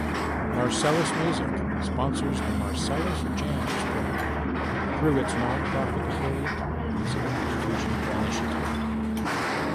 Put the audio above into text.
Marsalis Music sponsors the Marsalis Jams program through its non-profit affiliate, Music Education Initiative.